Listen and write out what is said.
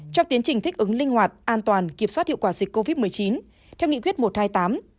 trong tiến trình thích ứng linh hoạt an toàn kiểm soát hiệu quả dịch covid một mươi chín theo nghị quyết một trăm hai mươi tám